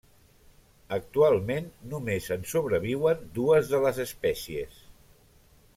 Actualment, només en sobreviuen dues de les espècies.